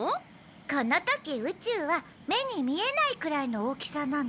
この時宇宙は目に見えないくらいの大きさなの。